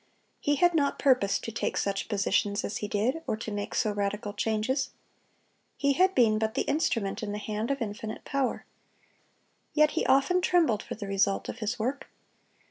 He had not purposed to take such positions as he did, or to make so radical changes. He had been but the instrument in the hand of Infinite Power. Yet he often trembled for the result of his work.